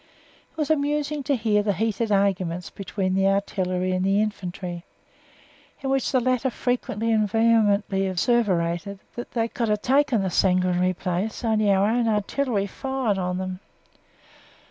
It was amusing to hear the heated arguments between the Artillery and Infantry, in which the latter frequently and vehemently asseverated that they "could have taken the sanguinary place only our own Artillery fired on them."